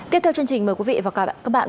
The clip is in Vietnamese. tiếp theo chương trình mời quý vị và các bạn